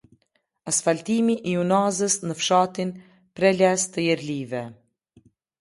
Asfaltimi i unazës në fsh. Preles të Jerlive